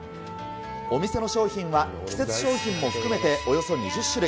お店の商品は、季節商品も含めて、およそ２０種類。